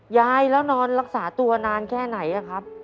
ยายแล้วนอนรักษาตัวนานแค่ไหนอะครับ